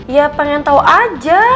ya pengen tau aja